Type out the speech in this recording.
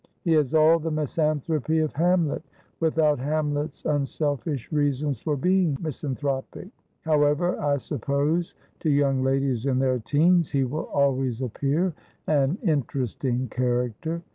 He has all the misanthropy of Hamlet, without Hamlet's unselfish reasons for being misanthropic. However, I suppose to young ladies in their teens he will always appear an interesting character.